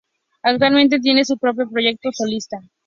Actualmente tiene su propio proyecto solista.